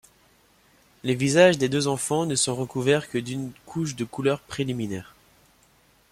Les visages des deux enfants ne sont recouverts que d'une couche de couleur préliminaire.